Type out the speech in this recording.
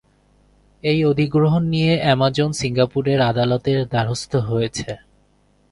এই অধিগ্রহণ নিয়ে অ্যামাজন সিঙ্গাপুরের আদালতের দ্বারস্থ হয়েছে।